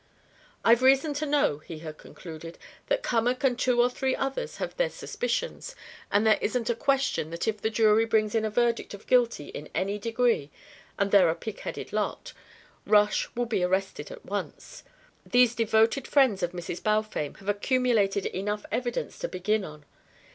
"I've reason to know," he had concluded, "that Cummack and two or three others have their suspicions, and there isn't a question that if the jury brings in a verdict of guilty in any degree and they're a pigheaded lot Rush will be arrested at once. These devoted friends of Mrs. Balfame have accumulated enough evidence to begin on.